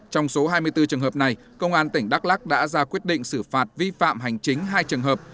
trong số hai mươi bốn trường hợp này công an tỉnh đắk lắc đã ra quyết định xử phạt vi phạm hành chính hai trường hợp